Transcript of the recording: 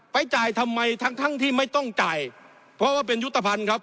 จ่ายทำไมทั้งทั้งที่ไม่ต้องจ่ายเพราะว่าเป็นยุทธภัณฑ์ครับ